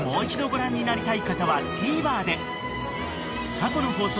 ［過去の放送回は］